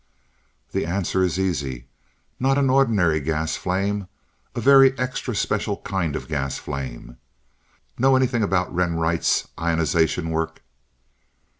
"The answer is easy. Not an ordinary gas flame a very extra special kind of gas flame. Know anything about Renwright's ionization work?"